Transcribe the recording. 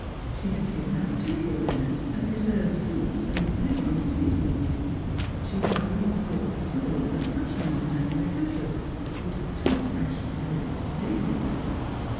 She bad given out table linen, and preserved fruits, and Parisian sweet meats. Sbe had brought forth crewel work cushions, and anti macassars, which were too fresh and elegant for daily wear.